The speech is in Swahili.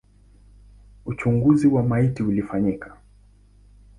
Uchunguzi wa maiti ulifanyika.